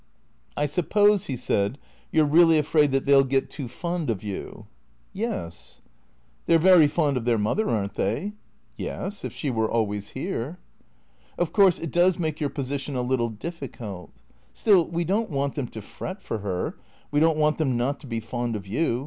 " I suppose," he said, " you 're really afraid that they '11 get too fond of you ?"" Yes." " They 're very fond of their mother, are n't they ?"" Yes — if she were always here." " Of course, it does make your position a little difficult. Still, we don't want them to fret for her — we don't want them not to be fond of you.